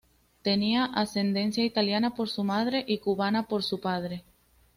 Tenía ascendencia italiana por su madre y cubana por su padre.